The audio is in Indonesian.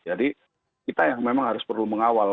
jadi kita yang memang harus perlu mengawal